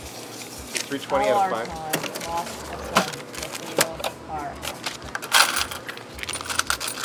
Alarcon lost a son to a fatal car accident.